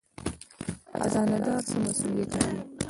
خزانه دار څه مسوولیت لري؟